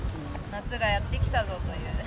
夏がやって来たぞという。